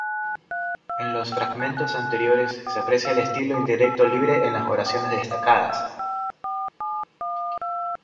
En los fragmentos anteriores, se aprecia el estilo indirecto libre en las oraciones destacadas.